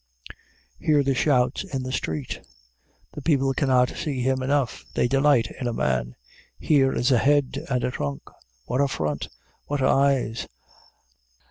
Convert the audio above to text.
Hear the shouts in the street! The people cannot see him enough. They delight in a man. Here is a head and a trunk! What a front! What eyes!